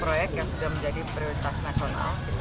proyek proyek yang sudah menjadi prioritas nasional